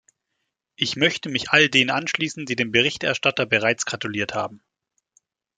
Ich möchte mich all denen anschließen, die dem Berichterstatter bereits gratuliert haben.